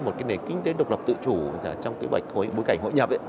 một nền kinh tế độc lập tự chủ trong bối cảnh hội nhập